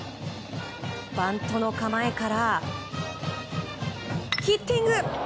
バントの構えからヒッティング！